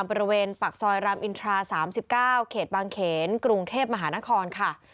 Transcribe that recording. บริเวณปากซอยรามอินทรา๓๙เขตบางเขนกรุงเทพมหานครค่ะ